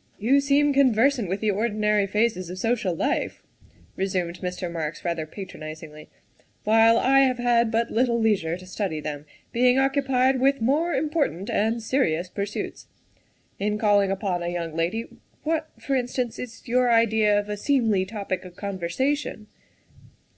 " You seem conversant with the ordinary phases of social life," resumed Mr. Marks rather patronizingly, " while I have had but little leisure to study them, being occupied with more important and serious pur suits. In calling upon a young lady what, for instance, is your idea of a seemly topic of conversation?"